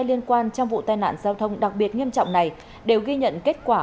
liên quan trong vụ tai nạn giao thông đặc biệt nghiêm trọng này đều ghi nhận kết quả